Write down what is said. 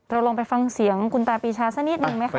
เราลองไปฟังเสียงคุณตาปีชาสักนิดนึงไหมคะ